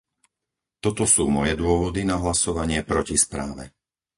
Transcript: Toto sú moje dôvody na hlasovanie proti správe.